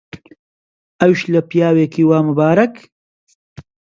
ئەویش لە پیاوێکی وا ممبارەک؟!